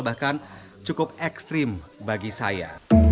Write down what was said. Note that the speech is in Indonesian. bahkan cukup ekstrim bagi saya